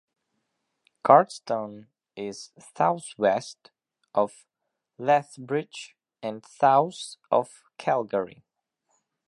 Cardston is southwest of Lethbridge and south of Calgary.